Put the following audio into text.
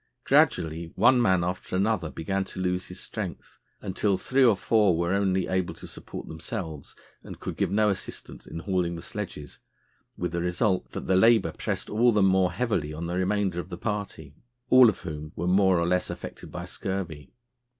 Gradually one man after another began to lose his strength, until three or four were only able to support themselves, and could give no assistance in hauling the sledges, with the result that the labour pressed all the more heavily on the remainder of the party, all of whom were more or less affected by scurvy.